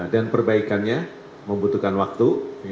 dan perbaikannya membutuhkan waktu